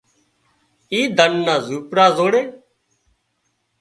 اي ڌنَ نا زونپڙا زوڙي